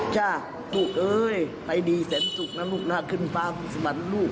ใช่ลูกเอ้ยไปดีแสนศุกร์นะลูกนะขึ้นฟ้าภูมิสวรรค์ลูก